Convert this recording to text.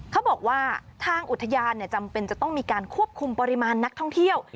เขาบอกว่าทางอุทยานจำเป็นจะต้องมีการควบคุมปริมาณนักท่องเที่ยว